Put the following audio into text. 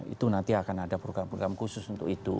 itu nanti akan ada program program khusus untuk itu